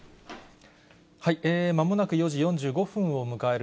まもなく４時４５分を迎える